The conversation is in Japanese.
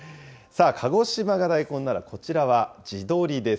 鹿児島が大根なら、こちらは地鶏です。